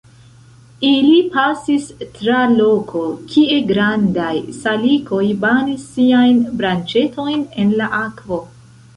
Ili pasis tra loko, kie grandaj salikoj banis siajn branĉetojn en la akvo.